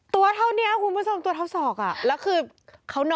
ตัวเท่านี้คุณผู้ชมตัวเท่าศอก